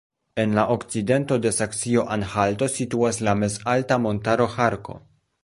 En la okcidento de Saksio-Anhalto situas la mezalta montaro Harco.